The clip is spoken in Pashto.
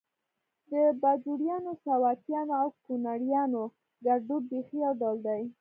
د باجوړیانو، سواتیانو او کونړیانو ګړدود بیخي يو ډول دی